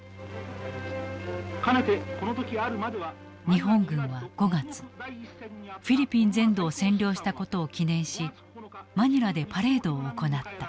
日本軍は５月フィリピン全土を占領したことを記念しマニラでパレードを行った。